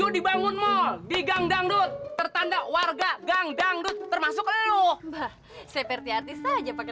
tujuh di bangun mal di gang dangdut tertanda warga gang dangdut termasuk lu seperti artis aja pakai